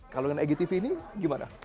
kalau dengan igtv ini gimana